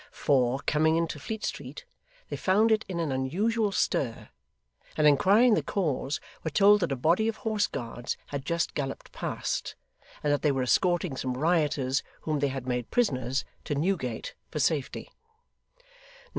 For, coming into Fleet Street, they found it in an unusual stir; and inquiring the cause, were told that a body of Horse Guards had just galloped past, and that they were escorting some rioters whom they had made prisoners, to Newgate for safety.